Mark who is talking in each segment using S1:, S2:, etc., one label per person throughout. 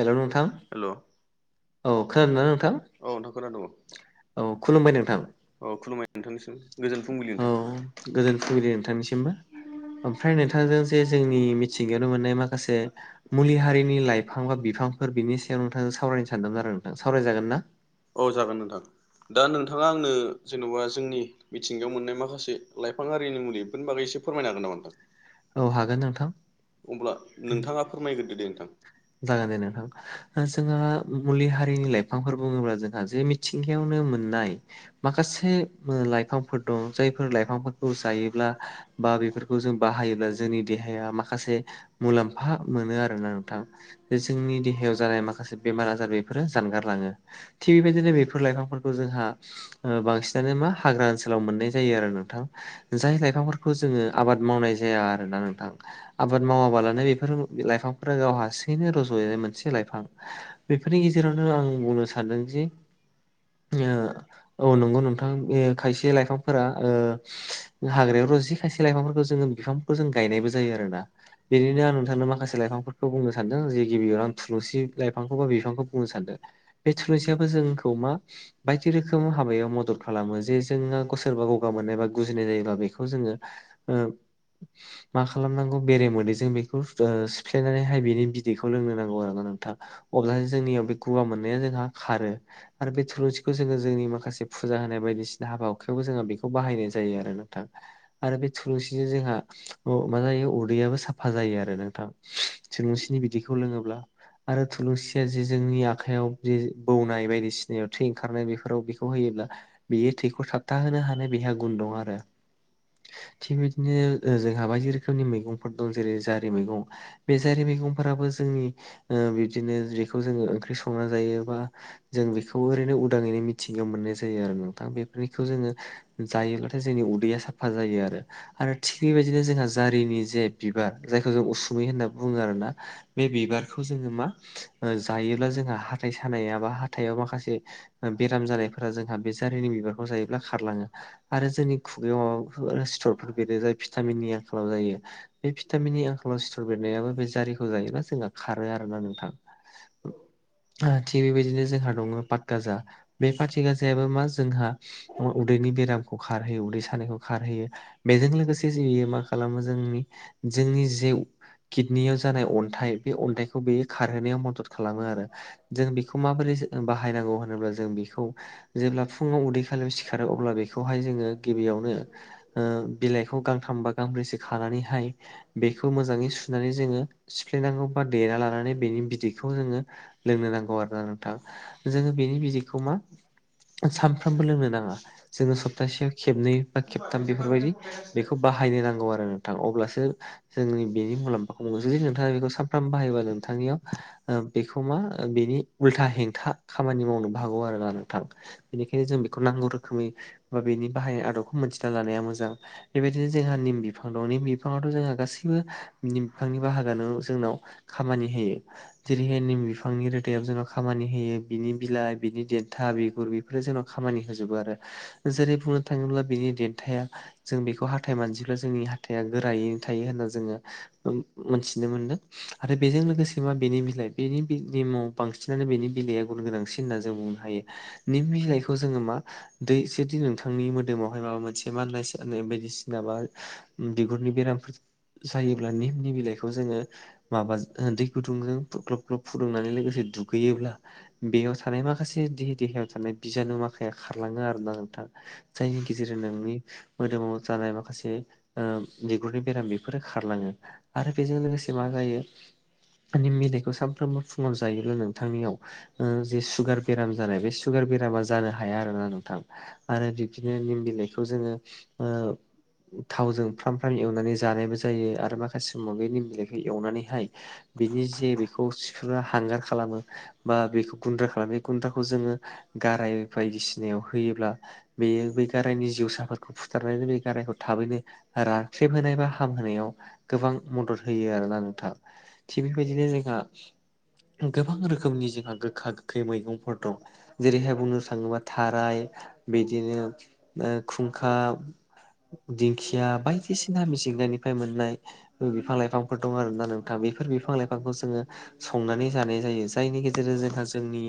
S1: हेल' नोंथां।
S2: हेल'।
S1: औ खोनादों ना नोंथां।
S2: औ नोंथां खोना दङ।
S1: औ खुलुमबाय नोंथां।
S2: औ खुलुमबाय नोंथांनिसिम गोजोन फुंबिलि
S1: औ
S2: नोंथां।
S1: गोजोन फुंबिलि नोंथांनिसिमबो। ओमफ्राय नोंथांजों जे जोंनि मिथिंगायावनो मोननाय माखासे मुलि हारिनि लाइफां बा बिफांफोर बिनि सायाव नोंथांजों सावरायनो सानदोंमोन आरो नोंथां सावरायजागोन ना?
S2: औ जागोन नोंथां दा नोंथाङा आंनो जेन'बा जोंनि मिथिंगायाव मोननाय माखासे लाइफां आरिनि मुलिफोरनि बागै एसे फोरमायनो हागोन नामा नोंथां?
S1: औ हागोन नोंथां
S2: अब्ला नोंथाङा फोरमायग्रोदो दे नोंथां।
S1: जागोन दे नोंथां। दा जोंहा मुलि हारिनि लाइफांफोर बुङोब्ला जोंहा जे मिथिंगायावनो मोननाय। माखासे लाइफांफोर दं जायफोर लाइफांफोरखौ जायोब्ला बा बेफोरखौ जों बाहायोब्ला जोंनि देहाया माखासे मुलाम्फा मोनो आरोना नोंथां। जोंनि देहायाव जानाय माखासे बेमार आजार बेफोरो जानगारलाङो। थिग बेबायदिनो बेफोर लाइफांफोरखौ जोंहा बांसिनानो मा हाग्रा ओनसोलाव मोननाय जायो आरो नोंथां। जाय लाइफांफोरखौ जोङो आबाद मावनाय जाया आरोना नोंथां। आबाद मावाबालानो बेफोर लाइफांफोरा गाव हारसिङैनो रज'नाय मोनसे लाइफां। बेफोरनि गेजेरावनो आं बुंनो सानदों जे ओ औ नंगौ नोंथां बे खायसे लाइफांफोरा ओ हाग्रायाव र'जयि खायसे लाइफांफोरखौ जोङो बिफांफोरखौ जों गायनायबो जायो आरोना। बेनिनो आं नोंथांनो माखासे लाइफांफोरखौ बुंनो सानदों जे गिबियाव आं थुलुसि लाइफांखौ बा बिफांखौ बुंनो सानदों। बे थुुलुसियाबो जोंखौ मा बायदि रोखोम हाबायाव मदद खालामो जे जोंहा ग सोरबा गगा मोननाय बा गुजिनाय जायोबा बेखौ जोङो ओं मा खालामनांगौ बेरे मोदैजों बेखौ सिफ्लेनानैहाय बेनि बिदैखौ लोंनो नांगौ आरोना नोंथां। अब्लासो जोंनियाव बे गगा मोननाया जोंहा खारो। आरो बे थुलुंसिखौ जोङो जोंनि माखासे फुजा होनाय बायदिसिना हाबा हुखायावबो जोङो बेखौ बाहायनाय जायो आरो नोंथां। आरो बे थुलुंसिजों जोंहा मा जायो उदैयाबो साफा जायो आरो नोंथां थुलुंसिनि बिदैखौ लोङोब्ला आरो थुलुंसिया जे जोंनि आखाइयाव जे बौनाय बायदिसिनायाव थै ओंखारनाय बेफोराव बेखौ होयोब्ला बेयो थैखौ थाबथाहोनो हानाय बेहा गुन दं आरो थिग बिदिनो जोंहा बायदि रोखोमनि मैगंफोर दं जेरै जारि मैगं बे जारि मैगंफोराबो जोंनि बिदिनो बेखौ जोङो ओंख्रि संना जायोबा जों बेखौ ओरैनो उदाङैनो मिथिगायाव मोननाय जायो आरो नोंथां बेफोरनिखौ जोङो जायोब्लाथाय जोंनि उदैया साफा जायोआरो आरो थिग बेबायदिनो जोंहा जारिनि जे बिबार जायखौ जों उसुमै होनना बुङो आरोना। बे बिबारखौ जोङो मा जायोब्ला जोंहा हाथाय सानायाबा हाथायाव माखासे बेराम जानायफोरा जोंहा बे जारिनि बिबारखौ जायोब्ला खारलाङो आरो जोंनि खुगायाव माबाफोर सिथरफोर बेरो भिटामिननि आंखालाव जायो। बे भिटामिननि आंखालाव सिथर बेरनायाबो बे जारिखौ जायोबा जोंहा खारो आरोना नोंथां। [inaudible] थिग बेबायदिनो जोंहा दङ पातगाजा बे पाटगाजायाबो मा जोंहा उदैनि बेरामखौ खारहोयो उदै सानायखौ खारहोयो बेजों लोगोसे मा खालामो जोंनि जोंनि जिउ किडनियाव जानाय अन्थाइ बे अन्थाइखौ बेयो खारहोनायाव मदद खालामो आरो। जों बेखौ माबोरै बाहायनांगौ होनोब्ला जों बेखौ जेब्ला फुङाव उदै खालि सिखारो अब्ला बेखौहाय जोङो गिबियावनो बिलाइ बे गांथामबा गांब्रैसो खानानैहाय बेखौ मोजाङै सुनानै जोङो सिफ्लायनांगौ बा देना लानानै बेनि बिदैखौ जोङो लोंनो नांगौ आरोना नोंथां। जोङो बिनि बिजिखौ मा सानफ्रामबो लोंनो नाङा जोङो सप्तासेयाव खेबनै बा खेबथाम बेफोरबायदि बेखौ बाहायनो नांगौ आरो नोंथां अब्लासो जों बेनि मुलाम्फाखौ मोनो जुदि नोंथाङा बेखौ सानफ्राम बाहायोबा नोंथांनियाव बेखौ मा बेनि उल्था हेंथा खामानि मावनोबो हागौ आरोना नोंथां‌। बेनिखायनो जों बेखौ नांगौ रोखोमै बा बेनि बाहाय आदबखौ मोनथिना लानाया मोजां। बेबायदिनो जोंहा निम बिफां दं निम बिफाङावथ जोंहा गासैबो निम बिफांनि बाहागोआनो जोंनाव खामानि होयो। जेरैहाय निम बिफांनि रोदायाव जोंनाव खामानि होयो बिनि बिलाइ बिनि देन्था बिगुर बे जोंनाव खामानि होजोबो आरो जेरै बुंनो थाङोब्ला बिनि देन्थाया जों बेखौ हाथाय मानजिब्ला जोंनि हाथाइया गोरायैनो थायो होनना जोङो मोनथिनो मोनदों आरो बेजों लोगोसे मा बेनि बिलाइ बेनि बिनि मुं बांसिनानो बेनि बिलाइआ गुन गोनांसिन होनना जों बुंनो हायो। निम बिलाइखौ जोङो मा दै जुदि नोंथांनि मोदोमावहाय माबा मोनसे मानना‌ बायदिसिना बा बिगुरनि बेरामफोर जायोब्ला निम नि बिलाइखौ जोङो माबा दैै गुदुंजों ग्लब ग्लब फुदुंनानै लोगोसे दुगैयोब्ला बेयाव थानाय माखासे दे देहायाव थानाय बिजानु माखाया खारलाङो आरोना नोंथां। जायनि गेजेरजों नोंनि मोदोमाव जानाय माखासे बिगुरनि बेराम बेफोरो खारलाङो। आरो बेजों लोगोसे मा जायो? निम बिलाइखौ सानफ्रोमबो फुङाव जायोब्ला नोंथांनियाव जे सुगार बेराम जानाय बे सुगार बेरामा जानो हाया आरोना नोंथां। आरो बिबदिनो निम बिलाइखौ जोङो ओ थावजों फ्राम फ्राम एवनानै जानायबो जायो आरो माखासे समाव बे निम बिलाइखौ एवनानैहाय बिनि जे बेखौ सिफ्रुना हांगार खालामो। बा बेखौ गुन्द्रा खालामो बे गुन्द्राखौ जोङो गाराय बायदिसिनायाव होयोब्ला बेयो बै गारायनि जिउसाफोरखौ फु [unintelligible] गारायखौ थाबैनो राख्रेबहोनाय बा हामहोनायाव गोबां मदद होयो आरोना नोंथां थिग बेबायदिनो जोंहा गोबां रोखोमनि जोंहा गोखा गोखै मैगंफोर दं। जेरैहाय बुंनो थाङोबा थाराय बिदिनो ओ खुंखा दिंखिया बायदिसिना मिजंगनिफ्राय मोननाय बिफां लाइफांफोर दं आरो ना नोंथां बेफोर बिफां लाइफांखौ जोङो संनानै जानाय जायो जायनि गेजेरजों जोंहा जोंनि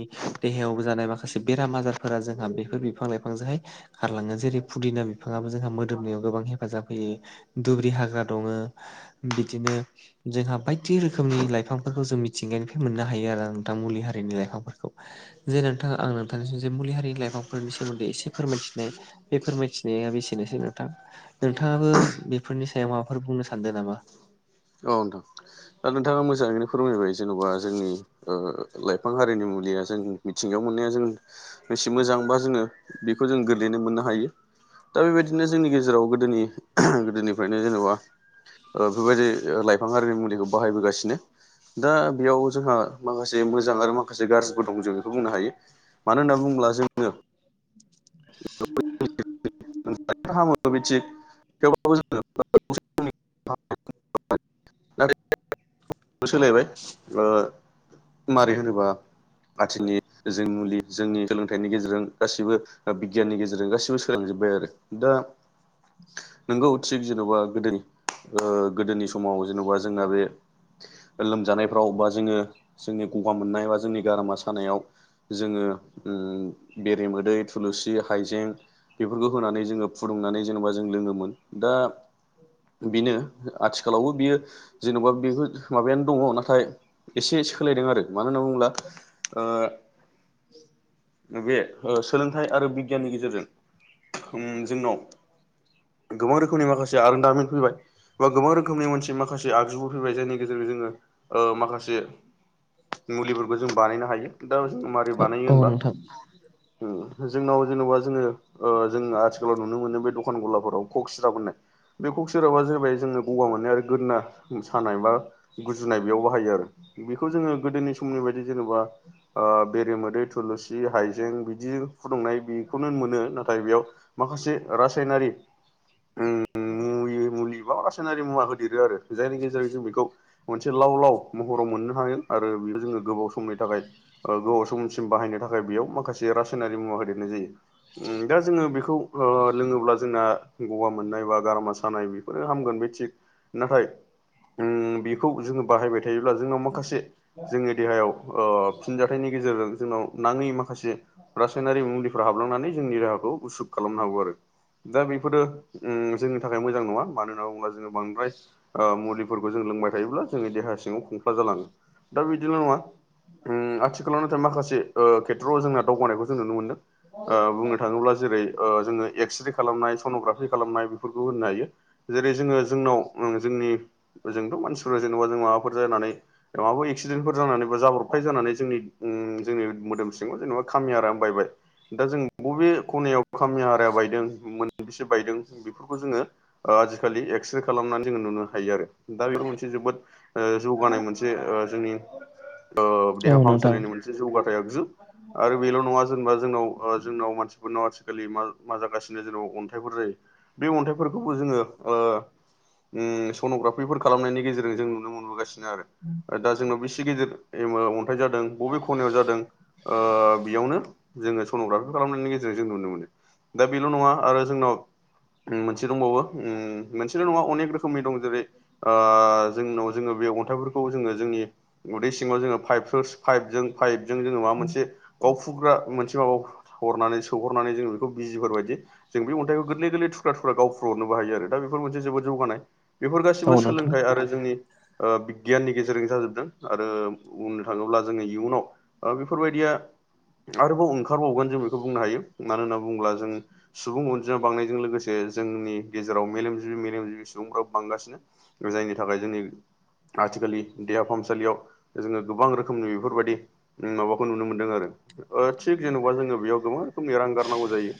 S1: देहायावबो जानाय माखासे बेराम आजारफोरा जोंहा बेफोर बिफां लाइफांजोंहाय गारलाङो जेरै फुदिना बि बिफाङाबो जोंहा मोदोमनायाव गोबां हेफा हेफाजाब होयो दुब्रि हाग्रा दङो बिदिनो जोंहा बाय थिदि रोखोमनि लाइफांफोरखौ जों मिथिंगानिफ्राय मोननो हायो आरो नोंथां मुलि हारिनि लाइफांफोरखौ। जे नोंथाङा आं नोंथांनिसि जे मुलि हारिनि लाइफांफोरनि सोमोन्दै एसे फोरमायथिनाय बे फोरमायथि बेयो बेसेनोसै नोंथां नोंथाङाबो बेफोरनि सायाव माबाफोर बुंनो सानदों नामा?
S2: औ नोंथां दा नोंथाङा मोजाङैनो फोरमायबाय जेन'बा जोंनि लाइफां हारिनि मुलिया जों मिथिंगायाव मोननाया जों एसे मोजांबा जोङो बेखौ जों गोरलैनो मोननो हायो दा बेबायदिनो जोंनि गेजेराव गो गोदोनि गोदोनिफ्रायनो जेनेबा बेफोरबायदि लाइफां आरिनि मुलिखौ बाहायबोगासिनो। दा बेयाव जोंहा माखासे मोजां आरो माखासे गाज्रिबो दं जों बेखौ बुंनो हायो। मानो होनना बुङोब्ला जोङो
S1: [inaudible]
S2: [unintelligible] हामो बिदि थेवब्लाबो जोङो [unintelligible] [unintelligible] नाथाय सोलायबाय ओ मारै होनोबा मानथिनि जों मुलि जोंनि सोलोंथाइनि गेजेरजों गासिबो बिगियाननि गेजेरजों गासिबो सोलांजोबबाय आरो दा नोंगौ थिग जेनबा गोदो गोदोनि समाव जेन'बा जोंना बे लोमजानायफ्राव बा जोङो जोंनि गगा मोननाय बा जोंनि गारामा सानायाव जोङो बेरेमोदै, थुलुसि, हाइजें बेफोरखौ होनानै जोङो फुदुंनानै जेनेबा जों लोङोमोन दा बेनो आथिखालावबो बियो जेन'बा बेबो माबायानो दङ नाथाय एसे सोलायदों आरो मानो होनना बुङोब्ला ओ बे सोलोंथाइ आरो बिगियाननि गेजेरजों ओम जोंनाव गोबां रोखोमनि माखासे आरोंदामिन फैबाय। बा गोबां रोखोमनि मोनसे माखासे आगजुबो फैबाय जायनि गेजेरजों जोङो ओ माखासे मुलिफोरखौ जों बानायनो हायो दा जों मारै बानायो
S1: औ
S2: होनबा?
S1: नोंथां
S2: जोंनाव जेनेबा जोङो जों आथिखालाव नुनो मोनो बे द खन गलाफोराव खप सिराब होननाय। बे ककसिराबा जाहैबाय जोङो गगा मोननाय आरो गोदना मोसानाय बा गुजुनाय बेयाव बाहायो आरो बेखौ जोङो गोदोनि समनि बायदि जेनेबा बेरेमोदै थुलुसि हाइजें बिदि फुदुंनाय बेखौनो मोनो नाथाय बेयाव माखासे रासायनारि ओम मुलि बा रासायनारि मुवा होदेरो आरो जायनि गेजेरजों जों बेखौ मोनसे लाव लाव महराव मोननो हायो आरो बेयो जोङो गोबाव समनि थाखाय गोबाव समसिम बाहायनो थाखाय बेयाव माखासे रासायनारि मुवा होदेरनाय जायो दा जोङो बेखौ लोङोब्ला जोंना गवा मोननाय बा गारामा सानाय बे ओ बेफोर हामगोन बे थिग नाथाय ओम बेखौ जोङो बाहायबाय थायोब्ला जोंनाव माखासे जोंनि देहायाव फिनजाथाइनि गेजेरजों जोंनाव नाङै माखासे। रासायनारि मुलिफोरा हाबलांनानै जोंनि राहाखौ उसुख खालामनो हागौ आरो। दा बेफोरो ओम जोंनि थाखाय मोजां नङा। मानो होनना बुङोब्ला जोङो बांद्राय मुलिफोरखौ जों लोंबाय थायोब्ला जोङो देहा सिङाव खंफ्ला जालाङो। दा बिदिल' नङा ओम आथिखालाव नाथाय ओ माखासे जोंना दावगानायखौ जों नुनो मोनदों बुंनो थाङोब्ला जेरै ओ जोङो एक्सरे खालामनाय सन'ग्राफि खालामनाय बेफोरखौ होननो हायो। जेरै जोङो जोंनाव जोंनि जोंथ' मानसिफ्रा जेनेबा जों माबाफोर जानानै माबाफोर एक्सिडेन्टफोर जानानै बा जाब्रबथाय जानानै जोंनि जोंनि मोदोम सिङाव जेनेबा खामि हारायानो बायबाय दा जों बबे खनायाव खामि हाराया बायदों मोनबेसे बायदों बेफोरखौ जोङो ओ आजिखालि एक्सरे खालामनानै जोङो नुनो हायो आरो दा बेफोर मोनसे जोबोद। ओ जौगानाय मोनसे जोंनि देहा
S1: औ नोंथां
S2: फाहामसालिनि मोनसे जौगाथाय आगजु आरो बेल' नङा जेनेबा जोंनाव जोंनाव मानसिफोरनाव आथिखालि मा मा जागासिनो जोंनाव अन्थाइफोर जायो बे अन्थाइफोर जोङो ओ ओम सन'ग्राफिफोर खालामनायनि गेजेरजों जों नुनो मोनबोगासिनो आरो। आरो दा जोंनाव बेसे गिदिर अन्थाइ जादों बबे खनायाव जादों। ओ बेयावनो जोङो सन'ग्राफि खालामनायनि गेजेरजों जों नुनो मोनो। दा बेल' नङा आरो जोंनाव मोन दंबावो मोनसेल' नङा अनेक रोखोमनि दं जेरै ओ आ जोंनाव जोङो बे अन्थाइफोरखौ जोङो जोंनि उदै सिङाव जोङो पाइपफोर पाइपजों पाइपजों जोङो माबा मोनसे गावफुग्रा मोनसे माबा हरनानै सोहरनानै जों बेखौ बिजिफोरबायदि जों बे अन्थखौ गोरलै गोरलै थुख्रा थुख्र ख्रा गावफ्रुहरनोबो हायो आरो दा बेफोर मोनसे जोबोद जौगानाय बेफोर
S1: औ
S2: गासिबो
S1: नोंथां
S2: सोलोंथाइ आरो। जोंनि बिगियाननि गेजेरजों जाजोबदों आरो बुंनो थाङोब्ला जोङो इयुनाव। ओ दा बेफोरबायदिया आरोबाव ओंखारबावगोन जों बेखौ बुंनो हायो मानो होनना बुङोब्ला जों सुबुं अनजिमा बांनायजों लोगोसे जे जोंनि गेजेराव मेलेमजिबि मेलेमजिबि सुबुंफोराबो बांगासिनो जायनि थाखाय जोंनि आथिखालनि देहा फाहामसालियाव जोङो गोबां रोखोमनि बेफोरबादि माबाखौ नुनो मोनदों आरो थिग जेन'बा जोङो बेयाव गोबां रोखोमनि रां गारनांगौ जायो।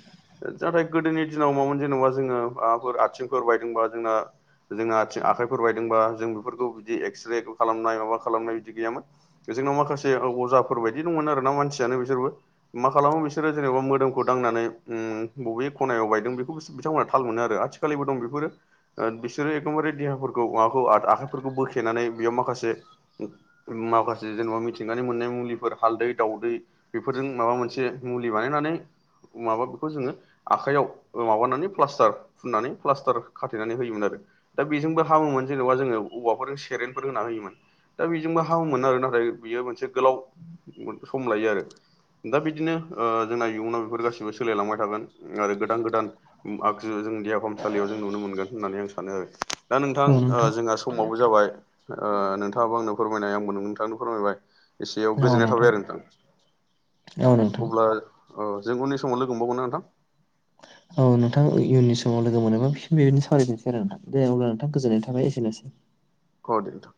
S2: नाथाय गोदोनि दिनाव मामोन जेनबा जोङो माबाफोर आथिंफोर बायदोंबा जोंना जोंहा आथिं आखाइफोर बायदोंबा जों बेफोरखौ बिदि एक्सरे खालामनाय माबा खालामनाय बिदि गैयामोन। जोंनाव माखासे अजाफोर बायदि दंमोन आरोना मानसियानो बिसोरबो मा खालामो बिसोरो जेनेबा मोदोमखौ दांनानै बबे खनायाव बायदों बे बिथांमोनहा थाल मोनो आरो आथिखालिबो दं बेफोरो। बिसोरो एकदमबारे देहाफोरखौ माबाखौ आखाइफोरखौ बोखेनानै बेयाव माखासे माखासे जेनबा मिथिंगानि मोननाय मुलिफोर हालदै दावदै बेफोरजों माबा मोनसे मुलि बानायनानै माबा बेखौ जोङो आखायाव ओ माबानानै प्लास्टार फुननानै प्लास्टार खाथेनानै होयोमोन आरो। दा बेजोंबो हामोमोन जेन'बा जोङो औवाफोरजों सेरेनफोर होना होयोमोन। दा बेजोंबो हामोमोन आरो नाथाय बियो मोनसे गोलाव सम लायो आरो। दा बिदिनो ओ जोंना इयुनाव बेफोर गासिबो सोलायलांबाय थागोन आरो गोदान गोदान आगजु जों देहा फाहामसालियाव जों नुनो मोनगोन होननानै आं सानो आरो। दा नोंथां ओ जोंहा समाबो जाबाय ओ नोंथाङाबो आंनो फोरमायनाय आंबो नोंथांनो फोरमायबाय। एसेयाव
S1: औ नोंथां
S2: गोजोननाय थाबाय आरो नोंथां।
S1: औ नोंथां
S2: अब्ला औ जों उननि समाव लोगो मोनबाव गोनना नोंथां।
S1: औ नोंथां इयुननि समाव लोगो मोनोबा बि बेबायदिनो सावरायफिननोसै आरोना दे अब्ला नोंथां गोजोननाय थाबाय एसेनोसै।
S2: अ दे नोंथां।